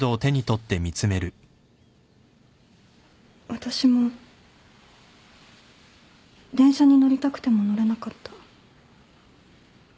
私も電車に乗りたくても乗れなかった。